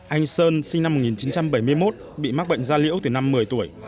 anh sơn sinh năm một nghìn chín trăm bảy mươi một bị mắc bệnh da liễu từ năm một mươi tuổi